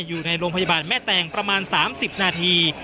อยู่ในโรงพยาบาลแม่แตงประมาณ๓๐นาที